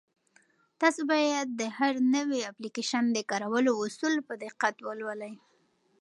تاسو باید د هر نوي اپلیکیشن د کارولو اصول په دقت ولولئ.